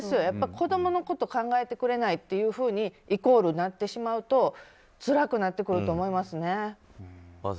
子供のことを考えてくれないがイコールなってしまうとつらくなってくると思います。